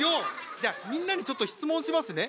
じゃあみんなにちょっと質問しますね。